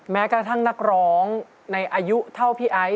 แม้กระทั่งนักร้องในอายุเท่าพี่ไอซ์